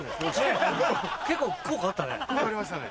結構効果あったね。